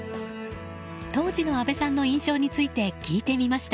当時の阿部さんの印象について聞いてみました。